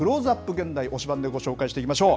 現代、推しバン！でご紹介していきましょう。